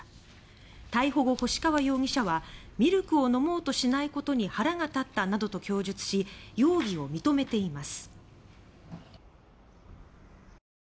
逮捕後、星川容疑者は「ミルクを飲もうとしないことに腹が立った」などと供述し容疑を認めています。